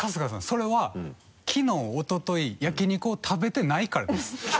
それはきのうおととい焼き肉を食べてないからです。